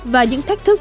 và những thách thức